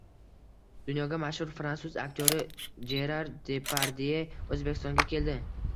Dunyoga mashhur fransuz aktyori Jerar Depardye O'zbekistonga keldi